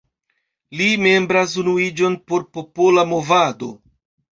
Li membras Unuiĝon por Popola Movado.